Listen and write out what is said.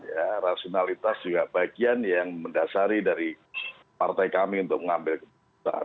ya rasionalitas juga bagian yang mendasari dari partai kami untuk mengambil keputusan